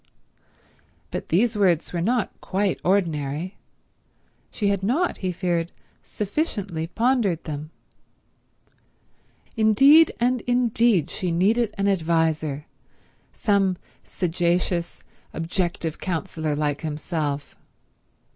But these words were not quite ordinary; she had not, he feared, sufficiently pondered them. Indeed and indeed she needed an adviser—some sagacious, objective counselor like himself.